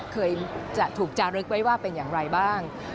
เคยจะถูกจารึกไว้ว่าเป็นอย่างไรบ้าง